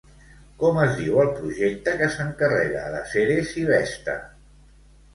Com es diu el projecte que s'encarrega de Ceres i Vesta?